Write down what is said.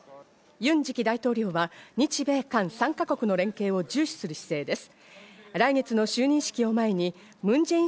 ユン次期大統領は日米韓３ヶ国の連携を重視する姿勢です。